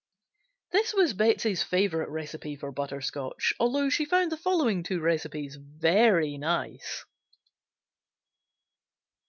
This was Betsey's favorite recipe for butter scotch although she found the following two recipes very nice.